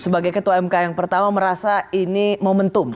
sebagai ketua mk yang pertama merasa ini momentum